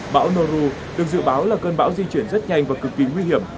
bão noru được dự báo là cơn bão di chuyển rất nhanh và cực kỳ nguy hiểm